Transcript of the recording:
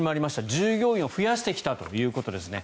従業員を増やしてきたということですね。